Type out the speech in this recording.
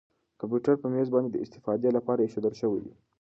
کمپیوټر په مېز باندې د استفادې لپاره اېښودل شوی دی.